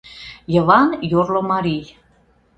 Йыван — йорло марий.